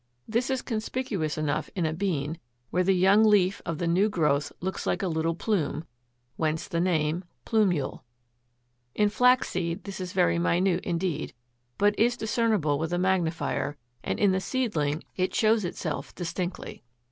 This is conspicuous enough in a bean (Fig. 29.), where the young leaf of the new growth looks like a little plume, whence the name, plumule. In flax seed this is very minute indeed, but is discernible with a magnifier, and in the seedling it shows itself distinctly (Fig. 5, 6, 7). 13.